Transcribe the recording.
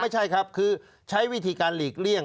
ไม่ใช่ครับคือใช้วิธีการหลีกเลี่ยง